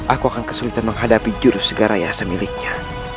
aku akan kesulitan menghadapi jurus segarayasa miliknya